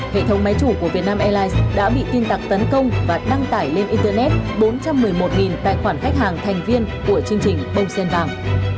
hệ thống máy chủ của vietnam airlines đã bị tin tặc tấn công và đăng tải lên internet bốn trăm một mươi một tài khoản khách hàng thành viên của chương trình bông sen vàng